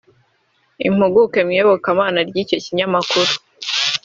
Impuguke mu Iyobokamana y’icyo kinyamakuru